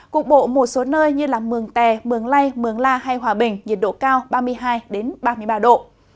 cục bộ một số nơi như mường tè mường lây mường la hay hòa bình nhiệt độ cao ba mươi hai ba mươi ba độ